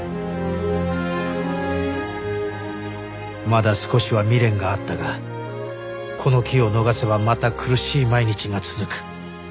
まだ少しは未練があったがこの機を逃せばまた苦しい毎日が続く。